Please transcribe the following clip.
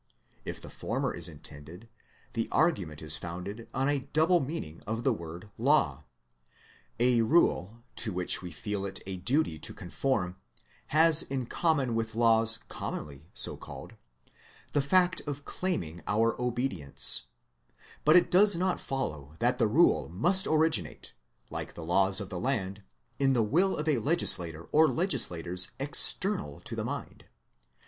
If the former be intended, the argument is founded on a double meaning of the word Law. A rule to which we feel it a duty to conform has in common with laws commonly so called, the fact of claiming our obedience ; but it does not follow that the rule must originate, like the laws of the land, in the will of a legislator or legislators external to the mind.